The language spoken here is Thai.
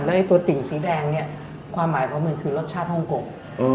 และตัวติ่งสีแดงความหมายของมันคือรสชาติฮงกง